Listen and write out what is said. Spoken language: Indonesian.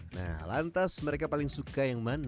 nah lantas mereka paling suka yang mana